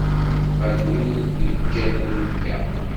Batwil iǧǧa-d Ribka.